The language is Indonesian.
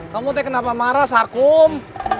kamu deh kenapa marah sarkum